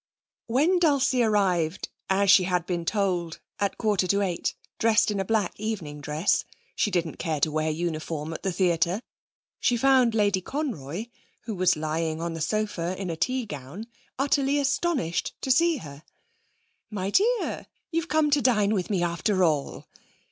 When Dulcie arrived, as she had been told, at a quarter to eight, dressed in a black evening dress (she didn't care to wear uniform at the theatre), she found Lady Conroy, who was lying on the sofa in a tea gown, utterly astonished to see her. 'My dear! you've come to dine with me after all?'